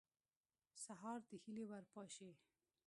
سهار د هیلې ور پاشي.